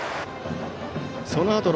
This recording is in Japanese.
そのあと